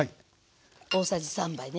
大さじ３杯ね。